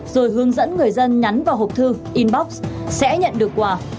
rồi hướng dẫn người dân nhắn vào hộp thư inbox sẽ nhận được quà